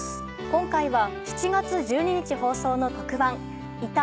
今回は７月１２日放送の特番『いた！